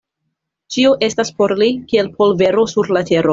Ĉio estas por li kiel polvero sur la tero.